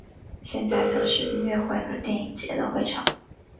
现在则是音乐会和电影节的会场。